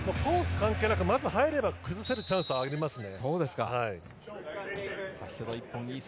関係なく、まず入れば崩せるチャンスがありますね。